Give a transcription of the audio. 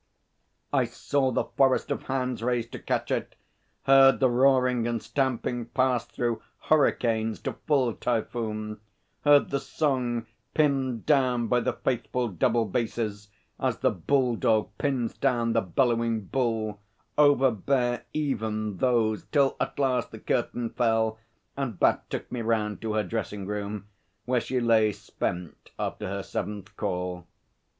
I saw the forest of hands raised to catch it, heard the roaring and stamping pass through hurricanes to full typhoon; heard the song, pinned down by the faithful double basses as the bull dog pins down the bellowing bull, overbear even those; till at last the curtain fell and Bat took me round to her dressing room, where she lay spent after her seventh call.